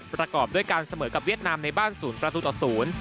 ประกอบด้วยการเสมอกับเวียดนามในบ้าน๐ประตูต่อศูนย์